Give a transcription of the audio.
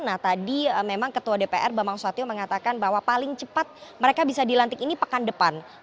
nah tadi memang ketua dpr bambang susatyo mengatakan bahwa paling cepat mereka bisa dilantik ini pekan depan